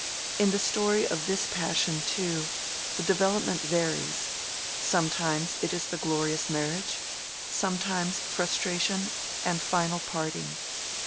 In the story of this passion, too, the development varies: sometimes it is the glorious marriage, sometimes frustration and final parting.